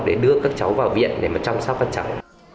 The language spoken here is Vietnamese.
để đưa các cháu vào viện để mà chăm sóc các cháu